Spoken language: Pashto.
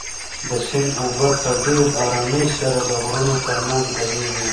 د سیند اوبه په ډېرې ارامۍ سره د غرو تر منځ بهېږي.